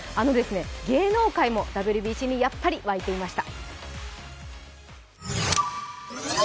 芸能界もＷＢＣにやっぱり沸いていました。